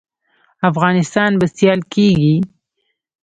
افغانستان به سیال کیږي؟